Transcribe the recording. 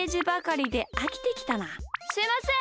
すいません。